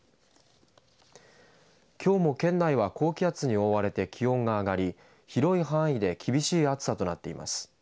きょうも県内は高気圧に覆われて気温が上がり広い範囲で厳しい暑さとなっています。